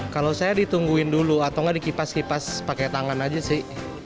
kalau saya ditungguin dulu atau nggak dikipas kipas pakai tangan aja sih